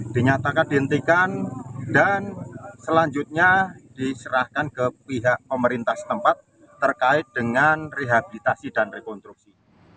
dinyatakan dihentikan dan selanjutnya diserahkan ke pihak pemerintah setempat terkait dengan rehabilitasi dan rekonstruksi